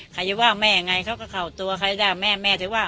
ใครจะว่าแม่ยังไงเขาก็เข้าตัวใครว่าแม่แม่จะว่า